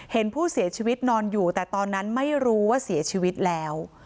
เห็นผู้เสียชีวิตนอนอยู่แต่ตอนนั้นไม่รู้ว่าเสียชีวิตแล้ว